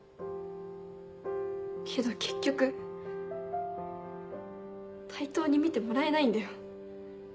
けど結局対等に見てもらえないんだよ。